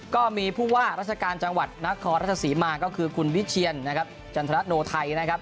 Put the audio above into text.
ก็มีผู้ว่ารัชการจังหวัดนักคอรัชศรีมากก็คือคุณวิเชียนจันทนักโนไทย